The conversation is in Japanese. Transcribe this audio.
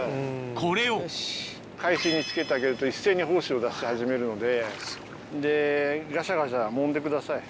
これを海水につけてあげると一斉に胞子を出し始めるのででガシャガシャもんでください。